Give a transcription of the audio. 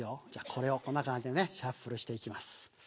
これをこんな感じでシャッフルして行きます。